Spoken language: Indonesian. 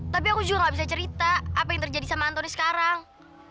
tapi aku juga gak bisa cerita apa yang terjadi sama antoni sekarang